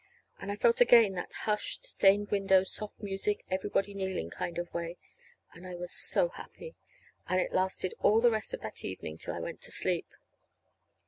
And I felt again that hushed, stained window, soft music, everybody kneeling kind of a way; and I was so happy! And it lasted all the rest of that evening till I went to sleep.